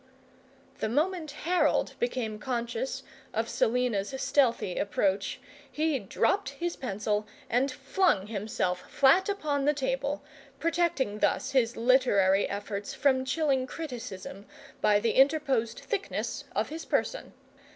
The moment Harold became conscious of Selina's stealthy approach, he dropped his pencil and flung himself flat upon the table, protecting thus his literary efforts from chilling criticism by the interposed thickness of his person.